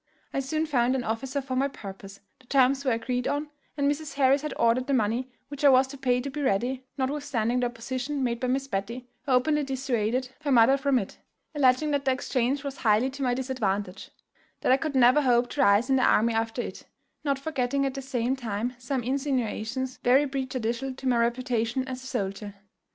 I soon found an officer for my purpose, the terms were agreed on, and Mrs. Harris had ordered the money which I was to pay to be ready, notwithstanding the opposition made by Miss Betty, who openly dissuaded her mother from it; alledging that the exchange was highly to my disadvantage; that I could never hope to rise in the army after it; not forgetting, at the same time, some insinuations very prejudicial to my reputation as a soldier.